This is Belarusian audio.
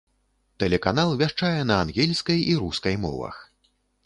Тэлеканал вяшчае на ангельскай і рускай мовах.